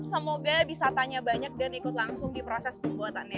semoga bisa tanya banyak dan ikut langsung di proses pembuatannya